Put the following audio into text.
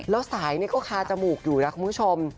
แล้วสายก็คาจมูกอยู่นะคุณผู้ชม